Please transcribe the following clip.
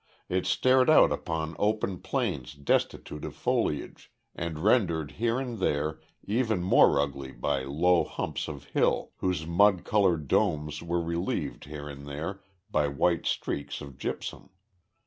It stared out upon open plains destitute of foliage, and rendered here and there even more ugly by low humps of hill, whose mud coloured domes were relieved here and there by white streaks of gypsum.